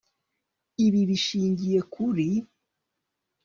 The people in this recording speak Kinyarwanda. ibi bishingiye ku kuri